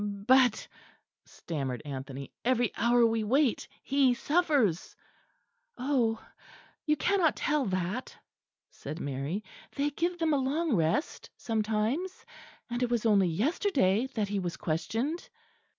"But," stammered Anthony, "every hour we wait, he suffers." "Oh, you cannot tell that," said Mary, "they give them a long rest sometimes; and it was only yesterday that he was questioned."